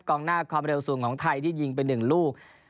หน้าความเร็วสูงของไทยที่ยิงไป๑ลูก